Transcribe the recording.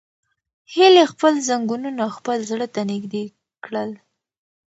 هیلې خپل زنګونونه خپل زړه ته نږدې کړل.